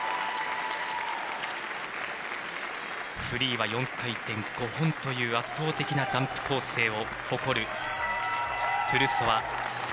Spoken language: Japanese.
フリーは４回転５本という圧倒的なジャンプ構成を誇るトゥルソワ。